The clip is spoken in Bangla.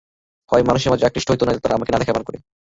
হয় মানুষ আমাকে আকৃষ্ট করে, নয়তো তারা আমাকে না দেখার ভান করে।